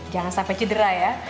jangan sampai cedera ya